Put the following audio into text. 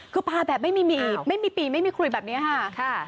คือปลาแบบไม่มีปีไม่มีคุยแบบนี้ค่ะ